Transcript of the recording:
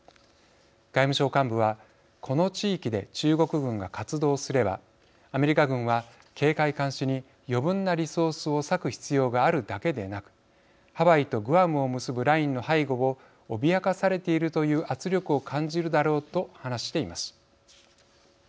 外務省幹部はこの地域で中国軍が活動すればアメリカ軍は警戒監視に余分なリソースを割く必要があるだけでなくハワイとグアムを結ぶラインの背後を脅かされているという圧力を感じるだろうと話しています。